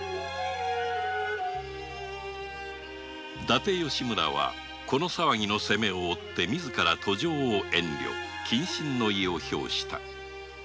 伊達吉村は騒ぎの責めを負って自ら登城を遠慮し謹慎の意を表した。